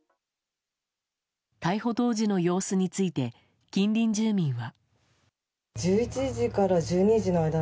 逮捕当時の様子について近隣住民は。